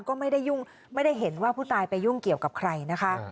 ก็ไม่ได้ยุ่งไม่ได้เห็นว่าผู้ตายไปยุ่งเกี่ยวกับใครนะคะ